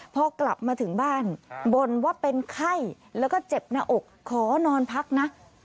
พอกลับมาถึงบ้านบ่นว่าเป็นไข้แล้วก็เจ็บหน้าอกขอนอนพักนะ